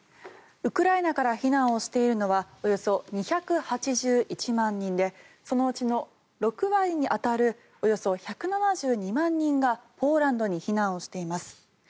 ウクライナから避難をしているのはおよそ２８１万人でそのうちの６割に当たるおよそ１７２万人がポーランドに避難しています。